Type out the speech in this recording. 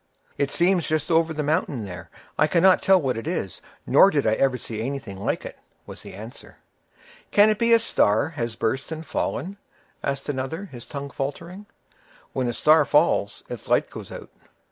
"It seems just over the mountain there. I cannot tell what it is, nor did I ever see anything like it," was the answer. "Can it be that a star has burst and fallen?" asked another, his tongue faltering. "When a star falls, its light goes out."